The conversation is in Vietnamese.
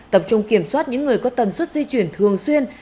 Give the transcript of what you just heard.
tập trung kiểm soát những người có tần suất di chuyển thường xuyên